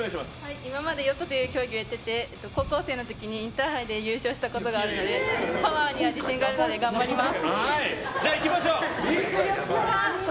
今までヨットの競技をやってて高校生の時にインターハイで優勝したことがあるのでパワーに自信があるので頑張ります。